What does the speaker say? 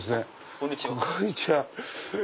こんにちは。